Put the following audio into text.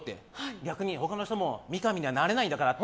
逆に他の人も三上にはなれないんだからって。